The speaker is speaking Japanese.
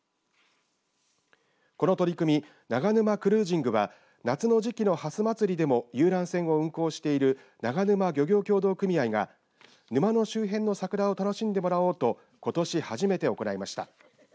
この取り組み長沼クルージングは夏の時期のはすまつりでも遊覧船を運航している長沼漁業協同組合が沼の周辺の桜を楽しんでもらおうとことし初めて行いました。